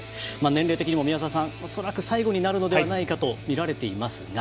年齢的にも宮澤さん最後になるのではないかとみられていますが。